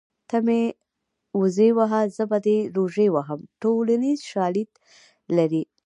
ته مې وزې وهه زه به دې روژې وهم ټولنیز شالید لري